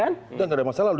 kan nggak ada masalah lu